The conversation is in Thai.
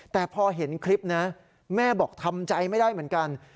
แต่พอเห็นคลิปนะแม่บอกทำใจไม่ได้เหมือนกัน